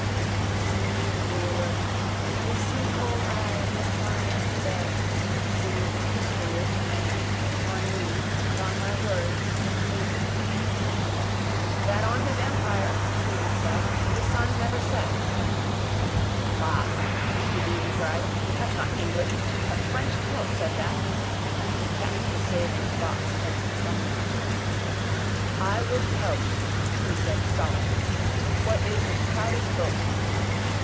The seas' ruler. His seacold eyes looked on the empty bay: it seems history is to blame: on me and on my words, unhating. —That on his empire, Stephen said, the sun never sets. —Ba! Mr Deasy cried. That's not English. A French Celt said that. He tapped his savingsbox against his thumbnail. —I will tell you, he said solemnly, what is his proudest boast.